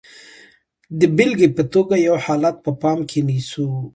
د بېلګې په توګه یو حالت په پام کې نیسو.